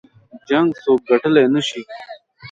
جـنګ څوك ګټلی نه شي